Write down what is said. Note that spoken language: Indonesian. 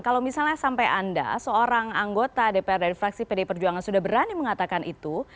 kalau misalnya sampai anda seorang anggota dpr dari fraksi pd perjuangan sudah berani mengatakan itu